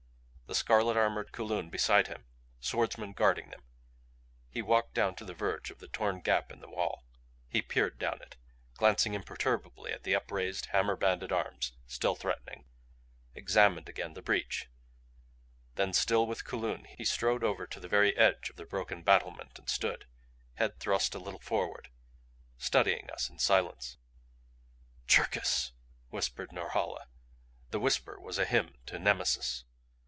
The scarlet armored Kulun beside him, swordsmen guarding them, he walked to the verge of the torn gap in the wall. He peered down it, glancing imperturbably at the upraised, hammer banded arms still threatening; examined again the breach. Then still with Kulun he strode over to the very edge of the broken battlement and stood, head thrust a little forward, studying us in silence. "Cherkis!" whispered Norhala the whisper was a hymn to Nemesis.